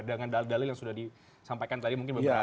dengan dalil dalil yang sudah disampaikan tadi mungkin beberapa